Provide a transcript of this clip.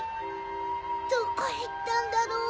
どこへいったんだろう？